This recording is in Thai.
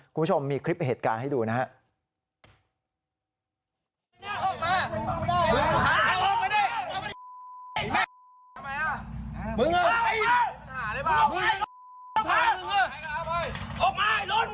คุณผู้ชมมีคลิปเหตุการณ์ให้ดูนะครับ